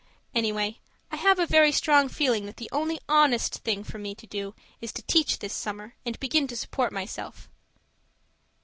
Anyway, I have a very strong feeling that the only honest thing for me to do is to teach this summer and begin to support myself.